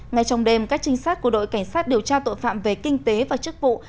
ngay trong đêm các trinh sát của đội cảnh sát điều tra tội phạm về kinh tế và chức vụ